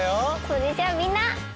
それじゃみんな。